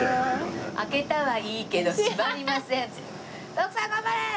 徳さん頑張れ！